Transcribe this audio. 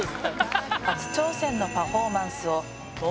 初挑戦のパフォーマンスを。